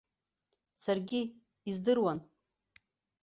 Саргьы, издыруан.